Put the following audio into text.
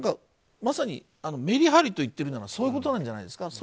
まさにメリハリと言ってるのはそういうことじゃないですか。